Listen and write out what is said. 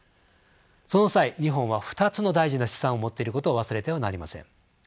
その際日本は２つの大事な資産を持っていることを忘れてはなりません。